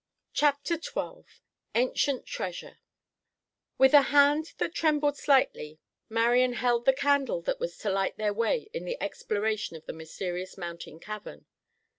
CHAPTER XII ANCIENT TREASURE With a hand that trembled slightly, Marian held the candle that was to light their way in the exploration of the mysterious mountain cavern.